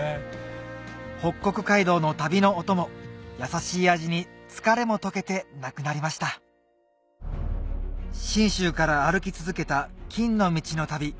北国街道の旅のお供優しい味に疲れも溶けてなくなりました信州から歩き続けた金の道の旅